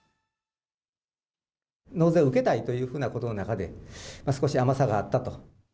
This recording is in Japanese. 納税を受けたいというふうなことの中で、少し甘さがあったと。